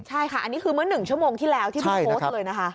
ใช่ค่ะอันนี้คือเมื่อ๑ชั่วโมงที่แล้วที่เพิ่งโพสต์เลยนะคะ